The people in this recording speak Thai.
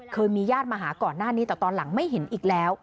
เคยมีญาติมาหาก่อนหน้านี้แต่ตอนหลังไม่เห็นอีกแล้ว